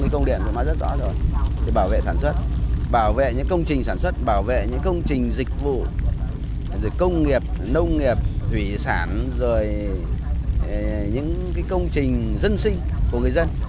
công trình dịch vụ công nghiệp nông nghiệp thủy sản những công trình dân sinh của người dân